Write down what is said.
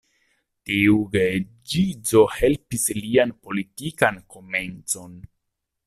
Tiu geedziĝo helpis lian politikan komencon.